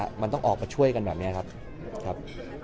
มันต้องออกมาช่วยกันแบบนี้ครับ